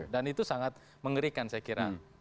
dan itu sangat mengerikan saya kira